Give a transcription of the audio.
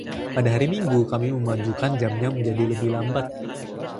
Pada hari Minggu, kami memajukan jamnya menjadi lebih lambat.